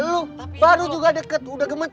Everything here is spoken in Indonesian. lu baru juga deket udah gemeter